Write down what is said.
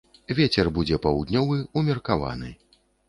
Вецер будзе паўднёвы, умеркаваны.